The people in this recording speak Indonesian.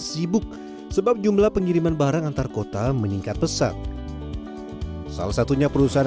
sibuk sebab jumlah pengiriman barang antar kota meningkat pesat salah satunya perusahaan